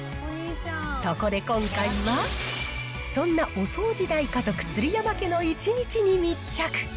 そこで今回は、そんなお掃除大家族、鶴山家の１日に密着。